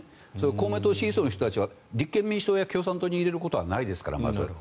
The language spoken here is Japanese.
公明党支持層の人たちは立憲民主党や共産党に入れることはないですから。